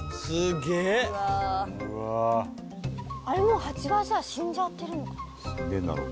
あれもうハチはさ死んじゃってるのかな？